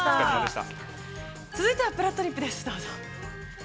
続いては「ぷらっとりっぷ」です。どうぞ。